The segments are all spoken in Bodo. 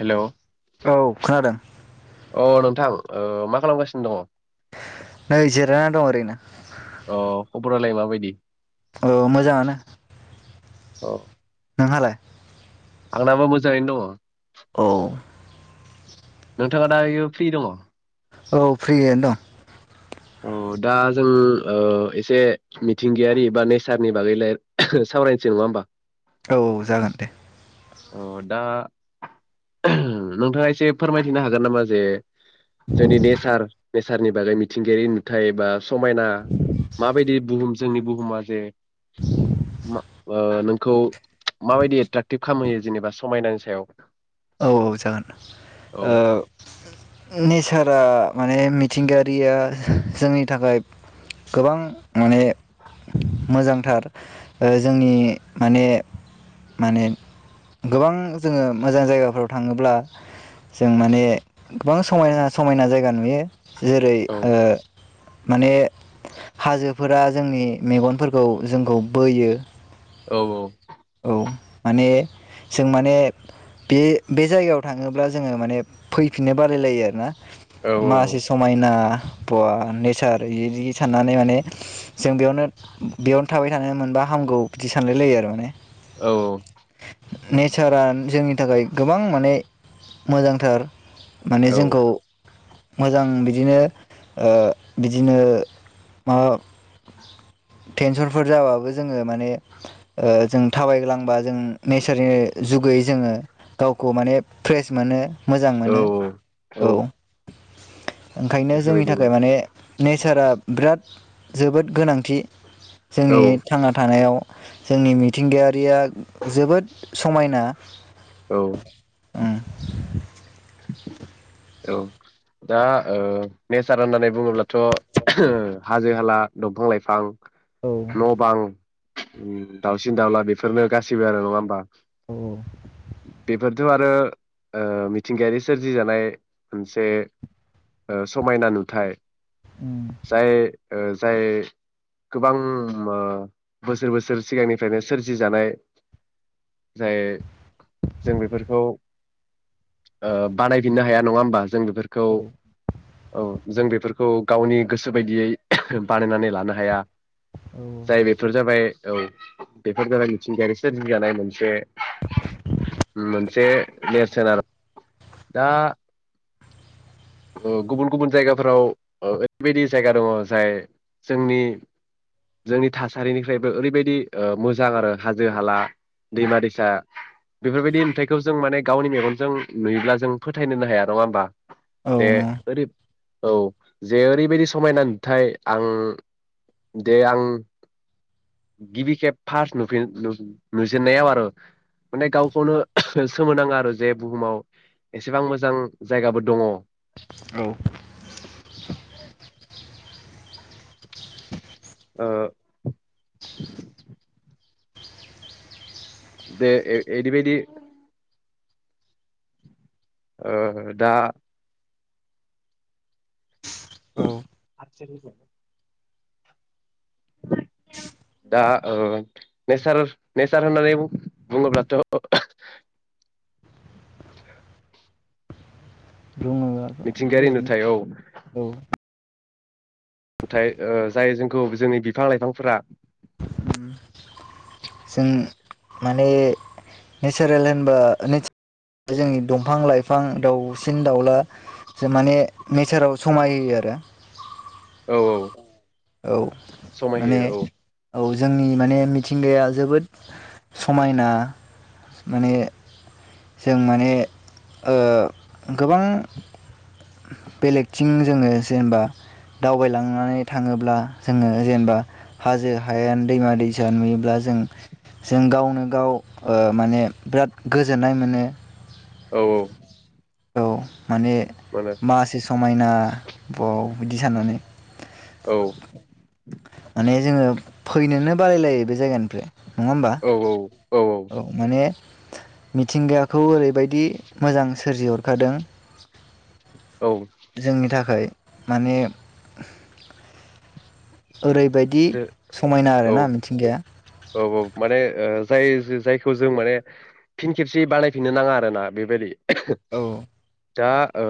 हेलौ औ खोनादों। अ नोंथां ओ मा खालामगासिनो दङ। नै जिरायनानै दं ओरैनो मा बायदि? औ मोजाङानो। अ नोंहालाय? आंनाबो मोजाङैनो दङ औ नोंथाङा दायो फ्रि दङ औ फ्रियानो दं औ दा जों ओ एसे मिथिंगायारि बा नेचारनि बागै लाय सावरायनोसै नङा होमबा? औ जागोन दे। अ दा नोंथाङा एसे फोरमायथिनो हागोन नामा जे जोंनि नेसार नेचारनि बागै मिथिंगायारि नुथाय बा समायना माबायदि बुहुम जोंनि बुहुमा जे मा ओ नोंखौ माबायदि एट्राकटिभ खामहोयो जेनेबा समायनानि सायाव? औ औ जागोन औ ओ नेचारा माने माने मिथिंगायारिया जोंनि थाखाय गोबां माने मोजांथार जोंनि माने माने गोबां जो मोजां जायगा फ्राव थाङोब्ला जों माने गोबां समायना समायना जायगा नुयो। जेरै औ ओ माने हाजोफोरा जोंनि मेगनफोरखौ जोंखौ बोयो। औ औ। औ माने जों माने बे बे जायगायाव थाङोब्ला जोङो माने फैफिननो बालायलायो आरोना। औ औ मासे समायना बा नेचार इदि साननानै माने जों बेयावनो बेयावनो थाबाय थानो मोनबा हामगौ बिदि सानलाय लायो आरो माने। औ नेचारा जोंनि थाखाय गोबां माने मोजांथार माने औ जोंखौ मोजां बिदिनो ओ बिदिनो ओ माबा टेनसनफोर जाबाबो ओ जोङो माने जों थाबायग्लांबा जों नेचारनि जुगै जोङो गावखौ माने फ्रेस मोनो। मोजां औ मोनो औ। ओंखायनो जोंनि बेफोरबायदिनो थाखाय माने नेचारा बिराद जोबोद गोनांथि औ जोंनि थांना थानायाव जोंनि मिथिंगायारिया जोबोद समायना औ ओम औ दा नेसार होननानै बुङोब्लाथ' हाजो-हाला, दंफां-लाइफां औ न' बां ओम दाउसिन दाउला बेफोरनो गासिबो आरो नङा होमबा? उम बेफोर आरो ओ मिथिंगायारि सोरजिजानाय मोनसे ओ समायना नुथाय जाय ओ जाय गोबां ओ बोसोर बोसोर सिगांनिफ्रायनो सोरजि जानाय जाय जों बेफोरखौ ओ बानायफिननो हाया नङा होमबा जों बेफोरखौ औ उम औ औ जों बे बेफोरखौ गावनि गोसो बायदियै बानायनानै लानो हाया जाय औ बेफोर जाबाय औ बेफोर जाबाय मिथिंगायारि सोरजिजानाय मोनसे मोनसे नेरसोन आरो दा गुबुन गुबुन जायगाफोराव ओरैबायदि जायगा दङ जाय जोंनि जोंनि थासारिनिफ्रायबो ओरैबायदि ओ मोजां आरो हाजो हाला दैमा दैसा बेफोरबायदि नुथाइखौ जों माने गावनि मेगनजों नुयोब्ला जों फोथायनोनो हाया नङा होनबा बे औ न ओरै औ जे ओरैबायदि समायना नुथाय आं दे आं गिबि खेब फार्स्ट नुफि नुजेननायाव आरो माने गावखौनो सोमोनाङो आरो जे बुहुमाव एसेबां मोजां जायगाबो दङ औ [unintelligible] ओ बे एदिबायदि ओ दा औ [unintelligible] दा ओ नेसार नेसार होननानै बुं बुङोब्लाथ' बुङो मिथिंगायारि नुथाय औ [unintelligible] औ नाथाय ओ जाय जोंखौ जोंनि बिफां लाइफांफोरा जों माने नेचारेल होनबा नेेचा जोंनि दंफां लाइफां दाउसिन दाउलाजों माने नेचाराव समायहोयो आरो औ औ माने समायहोयो औ औ जोंनि माने मिथिंगाया जोबोद समायना माने जों माने ओ गोबां बेलेगथिं जोङो जेनेबा दावबायलांनानै थाङोब्ला जोङो जेनेबा हाजो हायेन दैमा दैसा नुयोब्ला जों जों गावनो गाव ओ माने बिराद गोजोननाय मोनो औ औ औ माने मोनो मासे समायना बाव बिदि साननानै औ माने जोङो फैनोनो बालायलायो बे जायगानिफ्राय नङा होमबा औ औ औ औ मिथिंगाखौ ओरैबायदि मोजां सोरजिहरखादों औ जोंनि थाखाय माने [unintelligible] ओरैबायदि समायना औ आरोना मिथिंगाया औ औ माने ओ जाय जायखौ जों माने फिन खेबसे बानायफिननो नाङा आरो ना बेबायदि औ। दा ओ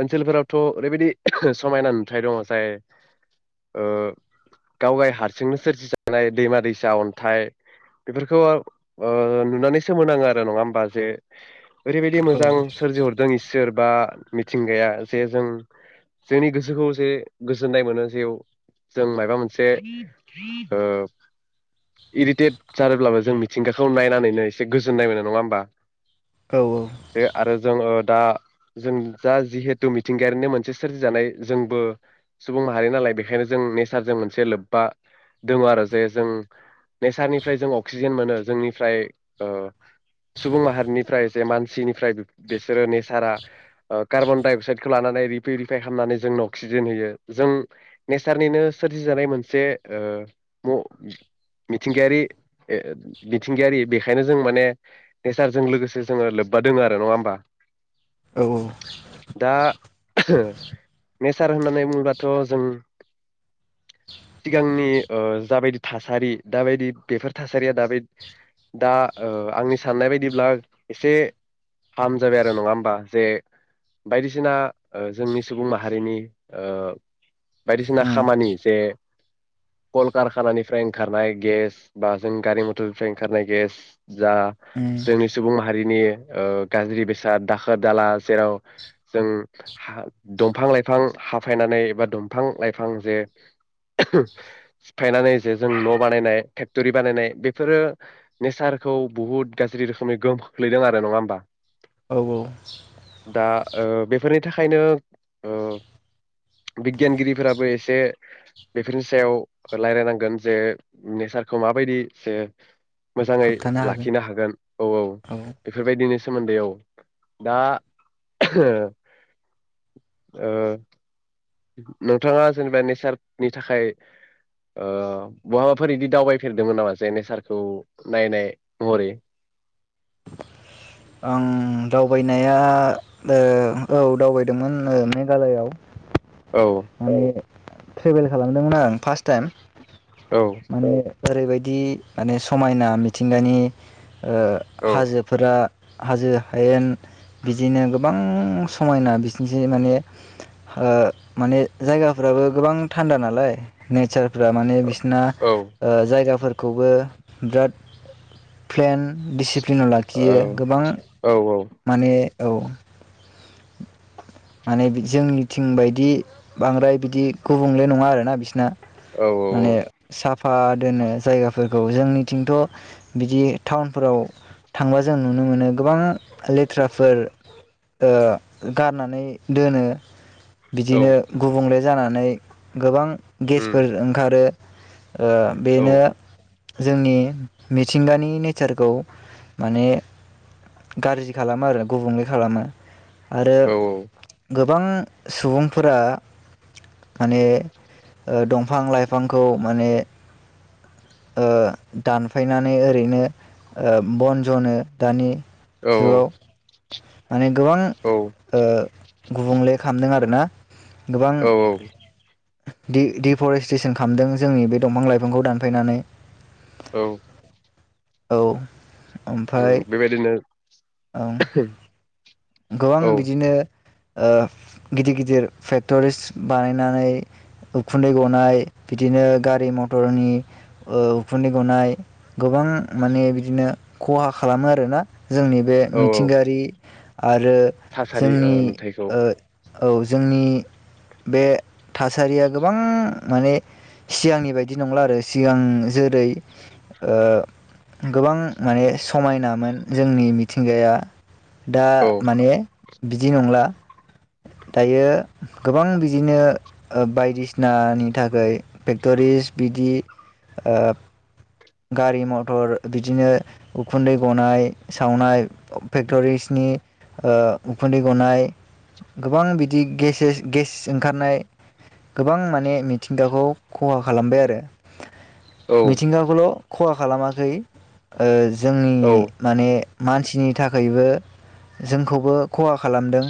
ओनसोलफोरावथ' ओरैबायदि समायना नुथाय दङ जाय ओ गावगाय हारसिंनो सोरजिजानाय दैमा दैसा अन्थाइ बेफोरखौ ओ नुनानै सोमोनाङो आरो नङा होमबा जे ओरैबायदि औ मोजां सोरजिहरदों इसोर बा मिथिंगाया जे जों जोंनि गोसोखौ जसे गोजोननाय मोनो जेयाव जों माबा मोनसे ओ इरिटेट ज जादोंब्लाबो जों मिथिंगाखौ नायनानैनो एसे गोजोननाय मोनो नङा होमबा? औ जे आरो जों। दा जा जिहेथु मिथिंगायारिनो मोनसे सोरजिजानाय जोंबो सुबुं माहारि नालाय बेखायनो जों नेचारजों मोनसे लोब्बा दङ आरो जे जों नेचारनिफ्राय जों अक्सिजेन मोनो जोंनिफ्राय ओ सुबुं माहारिनिफ्राय जे मानसिनिफ्राय बिसोरो नेचारा कार्बन डाइ अक्साइडखौ लानानै रिपिउरिफाइ खालामनानै जोंनो अक्सिजेन होयो जों नेचारनिनो सोरजिजानाय मोनसे ओ मिथिंगायारि मिथिंगायारि बेखायनो जों माने नेचारजों लोगोसे जोङो लोब्बा दङ' आरो नङा होमबा? औ दा नेसार होननानै बुङोबाथ' जों सिगांनि ओ जाबायदि थासारि दाबायदि बेफोर थासारिया दाब दा ओ आंनि साननाय बायदिब्ला एसे फाम जाबाय आरो नङा होमबा जे बायदिसिना ओ जोंनि सुबुं माहारिनि ओ बायदिसिना उम खामानि जे कलकारखानानिफ्राय ओंखारनाय गेस बा जों गारि मथरनिफ्राय ओंखारनाय गेस जा उम जोंनि सुबुं माहारिनि ओ गाज्रि बेसाद दाखोर-दाला जेराव जों हां दंफां लाइफां हाफायनानै एा दंफां लाइफां जे सिफायनानै जे जों न' बानायनाय फेक्टरि बानायनाय बेफोरो नेसारखौ बुहुद गाज्रि रोखोमनि गोहोम खोख्लैदों आरो नङा होमबा? औ औ। दा ओ बेफोरनि थाखायनो ओ बिगियानगिरिफोराबो एसे बेफोरनि सायाव रायज्लायनांगोन जे नेचारखौ माबायदि जे मोजाङै लाखिनो हागोन औ औ बेफोरबायदिनि सोमोन्दै औ। दा ओ नोंथाङा जेनेबा नेचारनि थाखाय ओ बहाबाफोर बिदि दावबाय फेरदोंमोन नामा जे नेचारखौ नायनाय महरै? आं दावबायनाया ओ औ दावबायदोंमोन ओ मेघालयआव औ [unintelligible] ट्रेभेल खालामदोंमोन आं फार्स्ट टाइम। औ। माने ओरैबायदि माने समायना मिथिंगानि‌। ओ औ हाजोफोरा हाजो हायेन बिदिनो गोबां समायना बिसनिस माने ओ माने जायगाफ्राबो गोबां थान्दा नालाय नेचारफ्रा माने बिसोरना औ ओ जायगाफोर खौबो बिराद प्लेन डिसिप्लिनाव लाखियो गोबां‌ माने औ माने जोंनिथिं बायदि बांद्राय बिदि गुबुंले नङा आरोना बिसना। औ औ औ। ओ दोनो जायगाफोरखौ जोंनिथिंथ' बिदि टाउनफोराव थांबा जों नुनो मोनो गोबां लेथ्राफोर ओ गारनानै दोनो बिदिनो गुबुंले जानानै गोबां गेसफोर ओंखारो ओ बेनो जोंनि मिथिंगानि नेचारखौ माने गारजि खालामो आरो गुबुंले खालामो आरो गो बां सुबुंफोरा माने ओ दंफां लाइफांखौ माने ओ दानफायनानै ओरैनो ओ बन जनो दानि जुगाव माने गोबां ओ गुबुंले खालामदों आरो ना औ औ दि दिफरेस्ट्रेसन खालामदों जोंनि बे दंफां लाइफांखौ दानफैनानै औ औ उम ओमफ्राय बेबायदिनो ओं [unintelligible] गोबां औ बिदिनो ओ गिदिर गिदिर फेक्ट'रिस बानायनानै उखुन्दै गनाय बिदिनो गारि मथरनि ओ उखुन्दै गनाय गोबां माने बिदिनो खहा खालामो आरोना जोंनि बे औ औ मिथिंगायारि आरो थासारि ओ जोंनि नुथायखौ ओ औ जोंनि बे थासारिया गोबां माने सिगांनि बायदि नंला आरो सिगां जेरै ओ गोबां माने समायनामोन जोंनि मिथिंगाया दा औ माने बिदि नंला दायो गोबां बिदिनो ओ बायदिसिनानि थाखाय फेक्ट'रिस बिदि ओ गारि मथर बिदिनो उखुन्दै गनाय सावनाय फेक्टरिसनि ओ उखुन्दै गनाय गोबां बिदि गसेस गेस ओंखारनाय गोबां माने मिथिंगाखौ खहा खालामबाय आरो औ मिथिंगा खल' खहा खालामाखै ओ जोंनि औ माने मानसिनि थाखोयबो जोंखौबो खहा खालामदों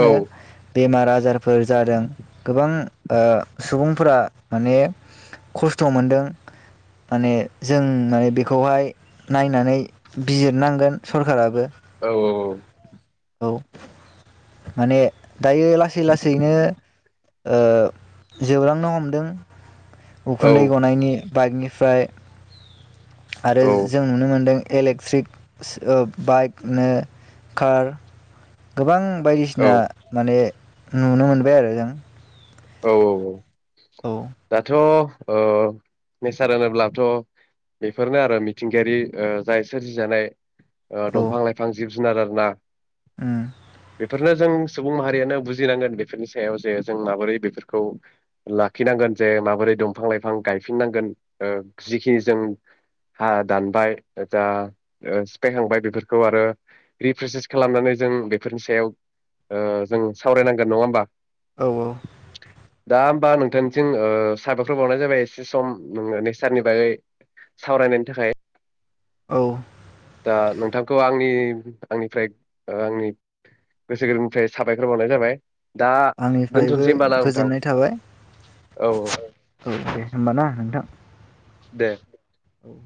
औ बेमार आजारफोर जादों गोबां ओ सुबुंफोरा माने खस्थ' मोनदों माने जों माने बेखौहाय नायनानै बिजिरनांगोन सरखाराबो औ औ औ औ माने दायो लासै लासैनो ओ जोबलांनो हमदों औ उखुन्दै गनायनि बाइकनिफ्राय आरो औ जों नुनो मोन्दों इलेक्ट्रिक ओ बाइकनो कार गोबां बायदिसिना औ माने नुनो मोनबाय आरो जों औ औ औ औ दाथ' ओ नेसार होनोब्लाथ' बेफोरनो आरो मिथिंगायारि ओ जाय सोरजिजानाय ओ औ दंफां लाइफां जिब जुनार आरो ना उम बेफोरनो जों सुबुं माहारियानो बुजिनांगोन बेफोरनि सायाव जे जों माबोरै फोरखौ लाखिनांगोन जे माबोरै दंफां लाइफां गायफिननांगोन ओ जिखिनि जों हा दानबाय जा सिफायखांबाय बेफोरखौ आरो रिप्रेसेस खालामनानै जों बेफोरनि सायाव ओ जों सावरायनांगोन नङा होमबा औ औ ना होमबा नोंथांथिं ओ साबायखर बावनाय जाबाय एसे सम नोङो नेसारनि बागै सावरायनायनि थाखाय औ ओ नोंथांखौ आंनि आंनिफ्राय आंनि गोसो गोरबोनिफ्राय साबायखर बावनाय जाबाय दा आंनिफ्रायबो दोनथ'नोसै होमबा ना नोंथां गोजोननाय थाबाय औ औ औ औ दे होमबा ना नोंथां दे औ